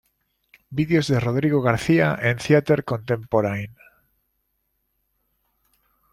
Videos de Rodrigo García en Theatre Contemporain.